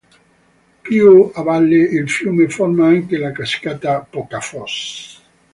Più a valle il fiume forma anche la cascata Pokafoss.